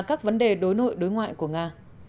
các vấn đề đối nội đối ngoại của nga